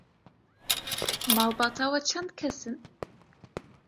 Malbata we çend kes in?